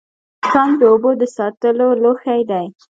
ښانک د اوبو د ساتلو لوښی دی